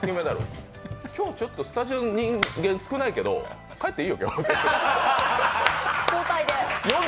今日、ちょっとスタジオの人間、少ないけど帰っていいよ、今日。